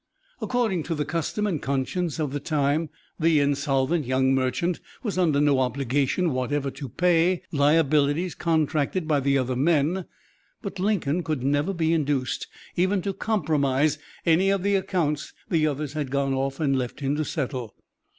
According to the custom and conscience of the time, the insolvent young merchant was under no obligation whatever to pay liabilities contracted by the other men, but Lincoln could never be induced even to compromise any of the accounts the others had gone off and left him to settle.